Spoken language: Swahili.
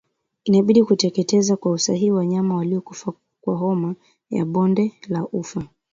Inabidi kuteketeza kwa usahihi wanyama waliokufa kwa homa ya bonde la ufa